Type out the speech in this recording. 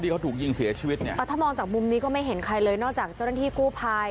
ก็ทุกคนก็หนีตายกันหมดนะพี่หุย